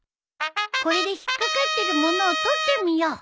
これで引っ掛かってるものを取ってみよう。